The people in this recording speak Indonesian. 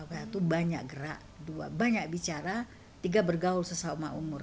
itu banyak gerak banyak bicara tiga bergaul sesama umur